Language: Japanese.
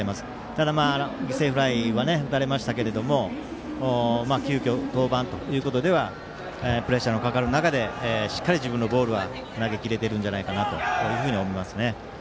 ただ犠牲フライは打たれましたが急きょ登板ということではプレッシャーのかかる中でしっかり自分のボールは投げ切れていると思います。